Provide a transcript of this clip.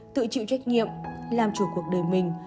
tự chịu trách nhiệm làm chủ cuộc đời mình